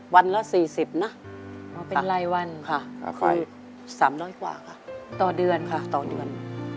วันละ๔๐นะค่ะค่ะค่าไฟคือ๓๐๐กว่าค่ะต่อเดือนค่ะต่อเดือน